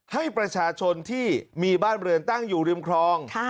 ให้ประชาชนที่มีบ้านเรือนตั้งอยู่ริมคลอง